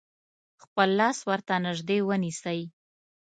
خپل لاس ورته نژدې ونیسئ.